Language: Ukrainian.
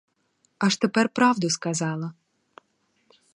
Аж тепер правду сказала!